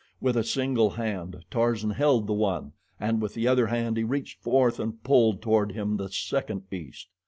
With a single hand Tarzan held the one, and with the other hand he reached forth and pulled toward him the second beast.